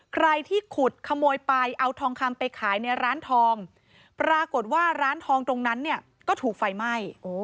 ใครที่ขุดขโมยไปเอาทองคำไปขายในร้านทองปรากฏว่าร้านทองตรงนั้นเนี่ยก็ถูกไฟไหม้